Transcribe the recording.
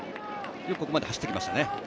よくここまで走ってきましたね。